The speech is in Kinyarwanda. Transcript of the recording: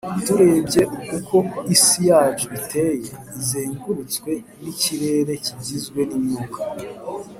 turebye uko isi yacu iteye, izengurutswe n'ikirere kigizwe n'imyuka